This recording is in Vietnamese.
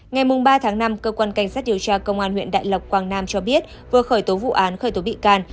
ngày ba tháng năm cơ quan cảnh sát điều tra công an huyện đại lộc quảng nam cho biết vừa khởi tố vụ án khởi tố bị can